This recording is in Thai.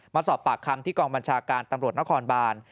มาสอบปากคำที่กองบัญชาการตำรวจนครบาน